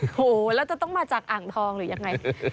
โหแล้วจะต้องมาจากอ่างทองหรือยังไง